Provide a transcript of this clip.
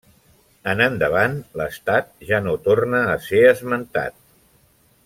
En endavant l'estat ja no torna a ser esmentat.